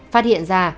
phát hiện ra